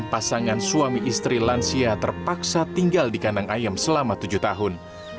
pasangan suami istri lansia terpaksa tinggal di kandang ayam selama tujuh tahun